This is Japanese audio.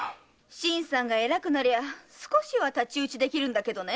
新さんが偉くなりゃ少しは太刀打ちできるんだけどね。